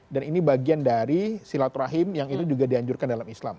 dan ini bagian dari silaturahim yang itu juga dianjurkan dalam islam